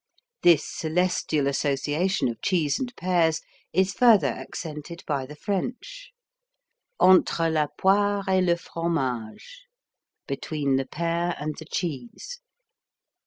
This celestial association of cheese and pears is further accented by the French: Entre la poire et le fromage Between the pear and the cheese.